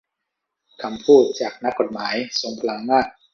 คำพูดจากนักกฎหมายทรงพลังมาก